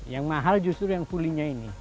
yang mahal justru yang pulihnya ini